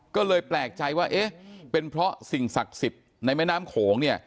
ก็เลยแปลกใจว่าเอ๊ะเป็นเพราะสิ่งศักดิ์สิทธิ์ในแม่น้ำโขงเนี่ย